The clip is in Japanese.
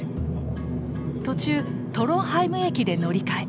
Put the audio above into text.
途中トロンハイム駅で乗り換え。